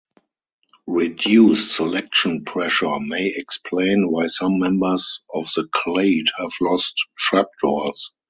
Reduced selection pressure may explain why some members of the clade have lost trapdoors.